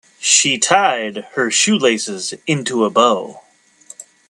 She tied her shoelaces into a bow.